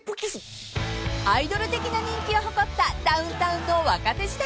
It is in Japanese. ［アイドル的な人気を誇ったダウンタウンの若手時代］